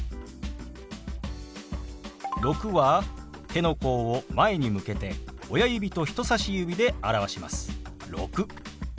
「６」は手の甲を前に向けて親指と人さし指で表します。